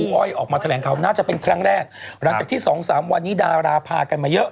อ้อยออกมาแถลงข่าวน่าจะเป็นครั้งแรกหลังจากที่สองสามวันนี้ดาราพากันมาเยอะ